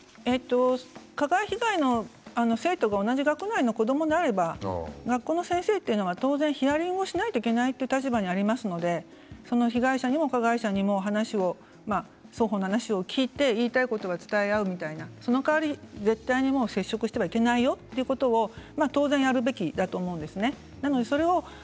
加害被害の生徒が同じ学内の子どもであれば学校の先生は当然ヒアリングをしないといけない立場にありますので被害者にも加害者にも話を双方の話を聞いて言いたいことを伝え合うその代わり絶対に接触してはいけないということ当然やるべきだと思うんですね。